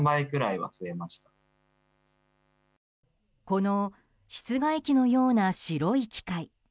この室外機のような白い機械。